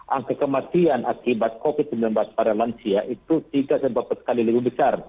angka kematian akibat covid sembilan belas pada lansia itu tiga empat kali lebih besar